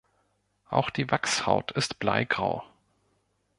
Auch die Wachshaut ist bleigrau.